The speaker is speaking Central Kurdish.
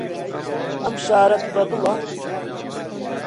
ئەم شارەت بەدڵە؟